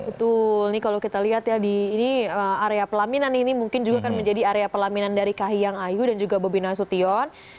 betul ini kalau kita lihat ya di ini area pelaminan ini mungkin juga akan menjadi area pelaminan dari kahiyang ayu dan juga bobi nasution